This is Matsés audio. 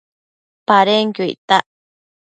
adenpenquio natac